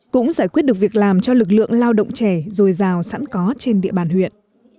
cũng giải quyết được việc làm cho lực lượng lao động trẻ dồi dào sẵn có trên địa bàn huyện